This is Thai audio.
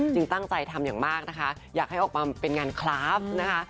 ตั้งใจทำอย่างมากนะคะอยากให้ออกมาเป็นงานคลาฟนะคะ